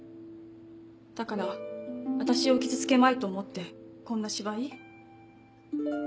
だから私を傷つけまいと思ってこんな芝居？